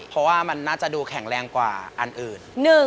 เพราะว่ามันน่าจะดูแข็งแรงกว่าอันอื่น